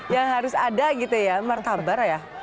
yang harus ada gitu ya martabar ya